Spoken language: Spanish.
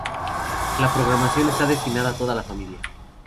La programación está destinada a toda la familia.